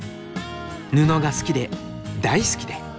布が好きで大好きで。